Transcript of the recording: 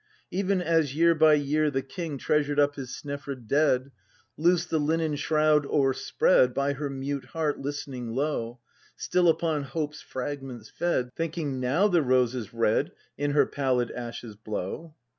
Even as, year by year, the king Treasured up his Snefrid dead. Loosed the linen shroud o'erspread By her mute heart listening low, Still upon hope's fragments fed. Thinking, "Now the roses red In her pallid ashes blow!"